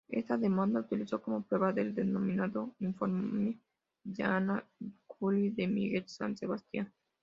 Esta demanda utilizó como prueba el denominado informe Yana Curi de Miguel San Sebastián.